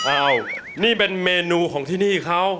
อ้าวนี่เป็นเมนูของที่นี่เขา